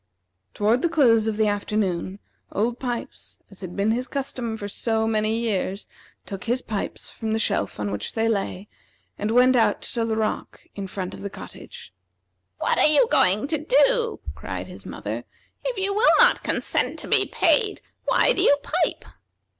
Toward the close of the afternoon, Old Pipes, as had been his custom for so many years, took his pipes from the shelf on which they lay, and went out to the rock in front of the cottage. "What are you going to do?" cried his mother. "If you will not consent to be paid, why do you pipe?"